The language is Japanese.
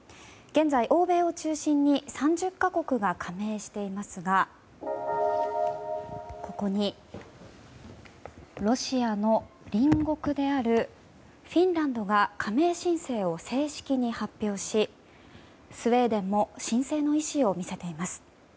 現在、欧米を中心に３０か国が加盟していますがここにロシアの隣国であるフィンランドが加盟申請を正式に発表しスウェーデンも申請の意思を見せています。